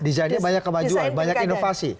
desainnya banyak kemajuan banyak inovasi